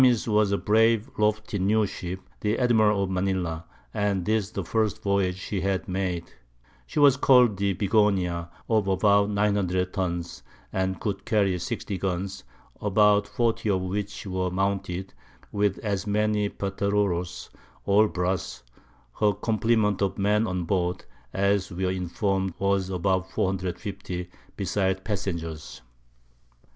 _] Enemy's was a brave lofty new Ship, the Admiral of Manila, and this the first Voyage she had made; she was call'd the Bigonia, of about 900 Tuns, and could carry 60 Guns, about 40 of which were mounted, with as many Patereroes, all Brass; her Complement of Men on board, as we were inform'd, was above 450, besides Passengers.